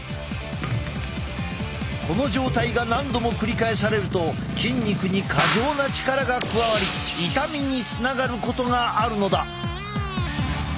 この状態が何度も繰り返されると筋肉に過剰な力が加わり痛みにつながることがあるのだ。